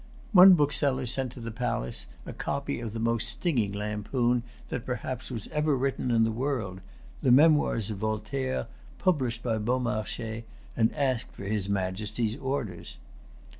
One bookseller sent to the palace a copy of the most stinging lampoon that perhaps was ever written in the world, the Memoirs of Voltaire, published by Beaumarchais, and asked for his Majesty's orders.